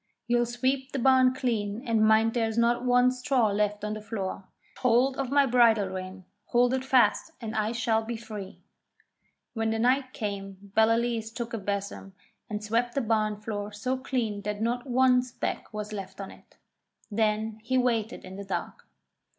You'll sweep the barn clean, and mind there is not one straw left on the floor. Catch hold of my bridle rein, hold it fast, and I shall be free.' When the night came Ballaleece took a besom and swept the barn floor so clean that not one speck was left on it. Then he waited in the dark.